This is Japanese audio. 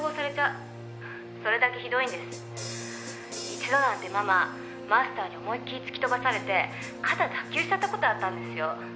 「一度なんてマママスターに思い切り突き飛ばされて肩脱臼しちゃった事あったんですよ」